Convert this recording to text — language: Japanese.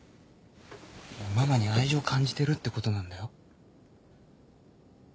ママに愛情感じてるってことなんだよ。